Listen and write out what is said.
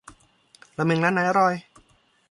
ราเมงร้านไหนอร่อย